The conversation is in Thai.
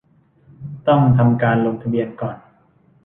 ต้องทำการลงทะเบียนก่อน